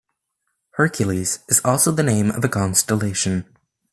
Hercules also is the name of a constellation.